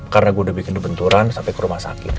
karena gue udah bikin debenturan sampai ke rumah sakit